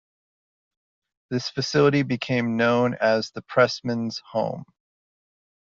This facility became known as the "Pressmen's Home".